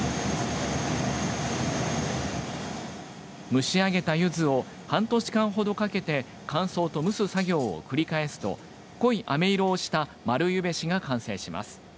蒸しあげた、ゆずを半年間ほどかけて乾燥と蒸す作業を繰り返すと濃いあめ色をした丸柚餅子が完成します。